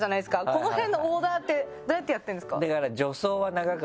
この辺のオーダーってどうやってやってるんですか？